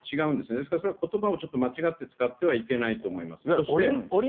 ですからそれはことばをちょっと間違って使ってはいけないと思います。